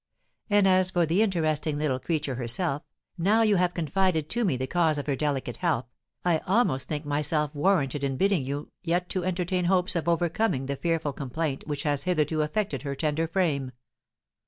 And as for the interesting little creature herself, now you have confided to me the cause of her delicate health, I almost think myself warranted in bidding you yet to entertain hopes of overcoming the fearful complaint which has hitherto affected her tender frame."